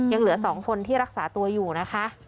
ยังเหลือ๒คนที่รักษาตัวอยู่นะคะ